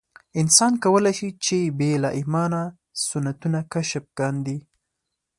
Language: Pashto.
انسان کولای شي چې بې له ایمانه سنتونه کشف کاندي.